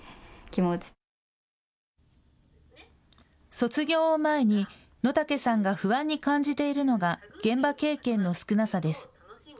卒業を前に野武さんが不安に感じているのが現場経験の少なさです。